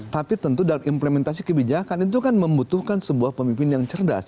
tapi tentu dalam implementasi kebijakan itu kan membutuhkan sebuah pemimpin yang cerdas